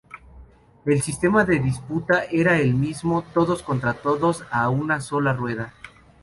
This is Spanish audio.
El sistema de disputa era el mismo: todos contra todos a una sola rueda.